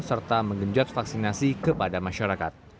serta menggenjot vaksinasi kepada masyarakat